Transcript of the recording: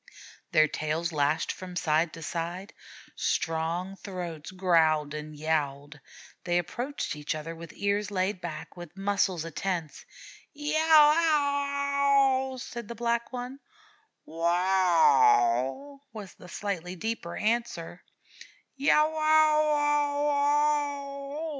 Their tails lashed from side to side. Strong throats growled and yowled. They approached each other with ears laid back, with muscles a tense. "Yow yow ow!" said the Black One. "Wow w w!" was the slightly deeper answer. "Ya wow wow wow!"